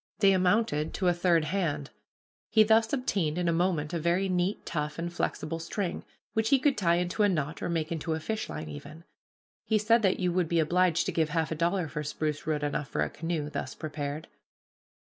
They amounted to a third hand. He thus obtained in a moment a very neat, tough, and flexible string, which he could tie into a knot, or make into a fishline even. He said that you would be obliged to give half a dollar for spruce root enough for a canoe, thus prepared.